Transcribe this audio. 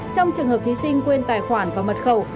trong trường hợp thí sinh quên tài khoản và mật khẩu